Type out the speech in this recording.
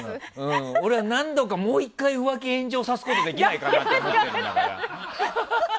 俺は何度かもう１回浮気炎上させることができないかなと持ってる。